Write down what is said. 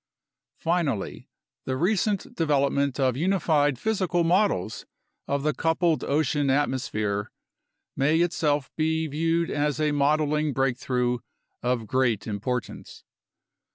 Finally, the recent development of unified physical models of the coupled ocean atmosphere may itself be viewed as a modeling break through of great importance.